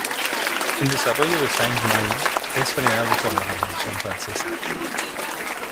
El desarrollo de Saint-Malo es frenado por la Revolución francesa.